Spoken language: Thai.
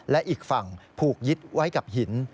และอีกฝั่งผูกยึดไว้กับหิน